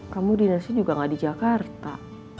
kamu di nasi juga gak di jakarta